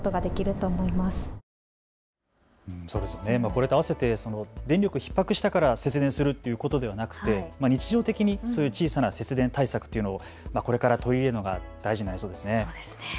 これとあわせて電力がひっ迫したから節電するということでなくて日常的に小さな節電対策というのをこれから取り入れるのが大事になりそうですね。